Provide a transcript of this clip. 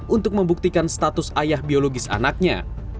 untuk membuktikan status ayah biologis anaknya